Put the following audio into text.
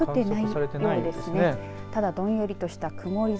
どんよりとした曇り空。